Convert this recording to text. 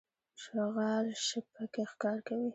شغال شپه کې ښکار کوي.